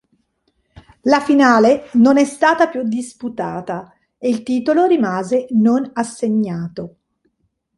La finale non è stata più disputata e il titolo rimase non assegnato.